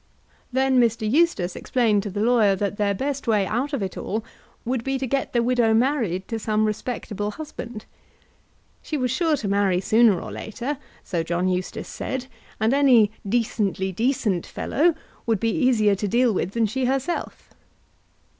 Then Mr. Eustace explained to the lawyer that their best way out of it all would be to get the widow married to some respectable husband. She was sure to marry sooner or later, so John Eustace said, and any "decently decent" fellow would be easier to deal with than she herself.